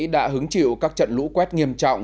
đã hứng chịu các trận lũ quét nghiêm trọng